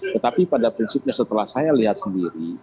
tetapi pada prinsipnya setelah saya lihat sendiri